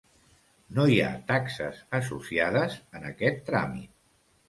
No hi ha taxes associades en aquest tràmit.